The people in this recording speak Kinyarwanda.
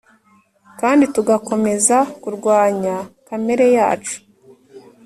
kandi tugakomeza kurwanya kamere yacu